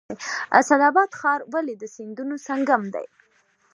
اسعد اباد ښار ولې د سیندونو سنگم دی؟